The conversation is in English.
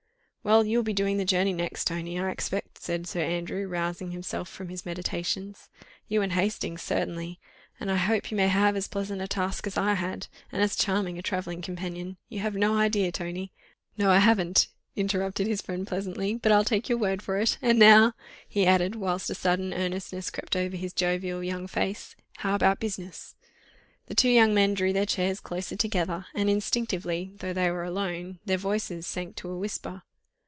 "Well! you'll be doing the journey next, Tony, I expect," said Sir Andrew, rousing himself from his meditations, "you and Hastings, certainly; and I hope you may have as pleasant a task as I had, and as charming a travelling companion. You have no idea, Tony. ..." "No! I haven't," interrupted his friend pleasantly, "but I'll take your word for it. And now," he added, whilst a sudden earnestness crept over his jovial young face, "how about business?" The two young men drew their chairs closer together, and instinctively, though they were alone, their voices sank to a whisper.